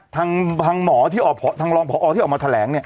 ทางหมอที่ทางรองพอที่ออกมาแถลงเนี่ย